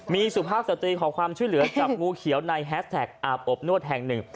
มีสุภาพสตรีขอความช่วยเหลือจับงูเขียวในแฮสแท็กอาบอบนวดแห่งหนึ่ง